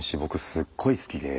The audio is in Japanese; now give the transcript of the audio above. すっごい好きで。